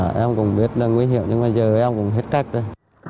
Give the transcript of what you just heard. dạ em cũng biết là nguy hiểm nhưng mà giờ em cũng thất nghiệp rồi